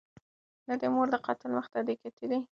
نه دي مور د قاتل مخ ته دي کتلي